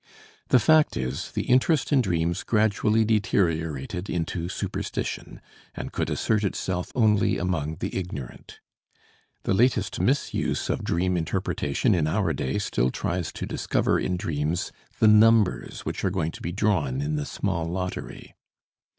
The fact is, the interest in dreams gradually deteriorated into superstition, and could assert itself only among the ignorant. The latest misuse of dream interpretation in our day still tries to discover in dreams the numbers which are going to be drawn in the small lottery.